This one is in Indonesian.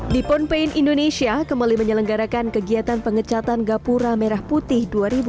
di ponpaint indonesia kembali menyelenggarakan kegiatan pengecatan kapura merah putih dua ribu dua puluh dua